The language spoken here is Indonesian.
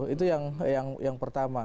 itu yang pertama